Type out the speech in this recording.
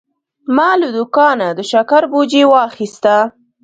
ما له دوکانه د شکر بوجي واخیسته.